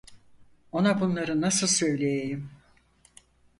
Ona bunları nasıl söyleyeyim?